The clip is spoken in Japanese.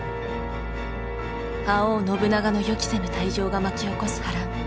覇王信長の予期せぬ退場が巻き起こす波乱。